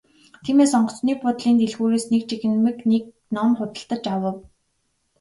Тиймээс онгоцны буудлын дэлгүүрээс нэг жигнэмэг нэг ном худалдаж авав.